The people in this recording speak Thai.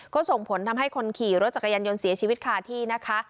ก็ส่งผลทำให้คนขี่รถจักรยานยนต์เสียชีวิตคาที่นะคะ